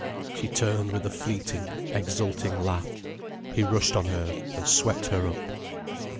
She turned with a fleeting, exulting laugh. He rushed on her, and swept her up.